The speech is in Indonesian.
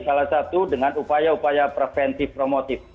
salah satu dengan upaya upaya preventif promotif